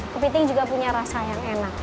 kepiting juga punya rasa yang enak